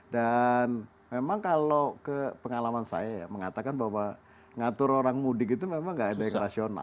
dan memang kalau ke pengalaman saya mengatakan bahwa ngatur orang mudik itu memang enggak ada yang rasional